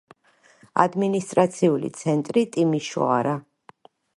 ადმინისტრაციული ცენტრი ტიმიშოარა.